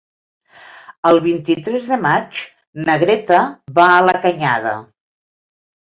El vint-i-tres de maig na Greta va a la Canyada.